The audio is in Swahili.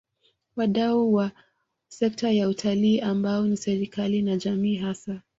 Wadau wa wa sekta ya Utalii ambao ni serikali na jamii hasa